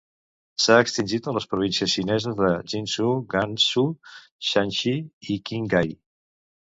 S'ha extingit a les províncies xineses de Guizhou, Gansu, Shaanxi i Qinghai.